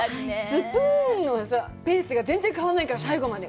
スプーンのペースが全然変わらないから、最後まで。